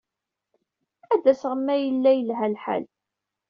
Ad d-aseɣ ma yella yelha lḥal.